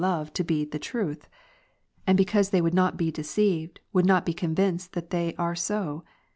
»ove to be the truth; and because they would not be deceived, ^^ would not be convinced that they are so